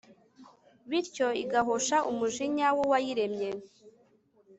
bityo igahosha umujinya w'uwayiremye